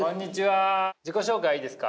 自己紹介いいですか？